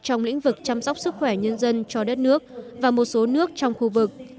trong lĩnh vực chăm sóc sức khỏe nhân dân cho đất nước và một số nước trong khu vực